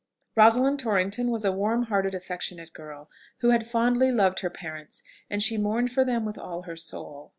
Rosalind Torrington was a warm hearted, affectionate girl, who had fondly loved her parents, and she mourned for them with all her soul.